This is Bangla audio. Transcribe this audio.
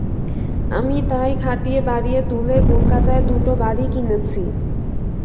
আমি তাই খাটিয়ে বাড়িয়ে তুলে কলকাতায় দুটো বাড়ি কিনেছি।